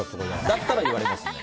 だったら言われますね。